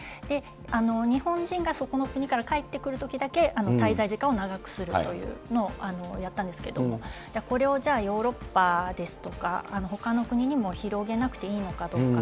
日本人がそこの国から帰ってくるときだけ、滞在時間を長くするというのをやったんですけれども、じゃあこれをヨーロッパですとか、ほかの国にも広げなくていいのかどうか。